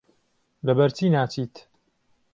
لەبەرچی ناچیت؟